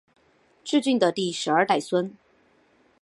挚峻的第十二代孙。